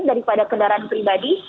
daripada kendaraan pribadi